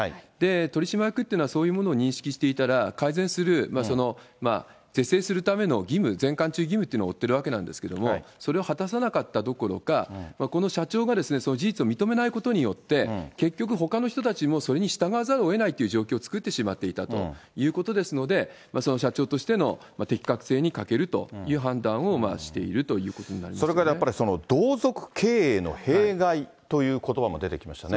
取締役というのはそういうものを認識していたら改善する、是正するための義務、ぜんかんち義務というのを負ってるわけなんですけど、それを果たさなかったどころか、この社長がその事実を認めないことによって、結局、ほかの人たちもそれに従わざるをえないという状況を作ってしまっていたということですので、その社長としての適格性に欠けるという判断をしているということそれからやっぱり、同族経営の弊害ということばも出てきましたね。